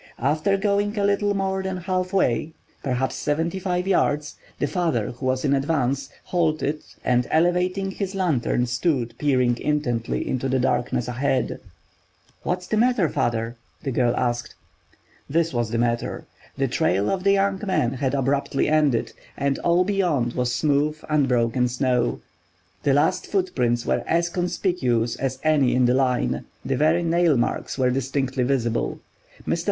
After going a little more than half way—perhaps seventy five yards—the father, who was in advance, halted, and elevating his lantern stood peering intently into the darkness ahead. "What is the matter, father?" the girl asked. This was the matter: the trail of the young man had abruptly ended, and all beyond was smooth, unbroken snow. The last footprints were as conspicuous as any in the line; the very nail marks were distinctly visible. Mr.